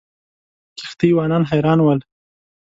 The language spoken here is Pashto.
کښتۍ وانان حیران ول.